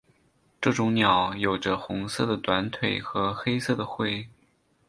这种鸟有着红色的短腿和黑色的喙。